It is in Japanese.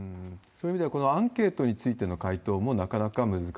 そういう意味では、このアンケートについての回答も、そうです。